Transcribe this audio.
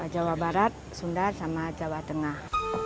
jawa barat sunda sama jawa tengah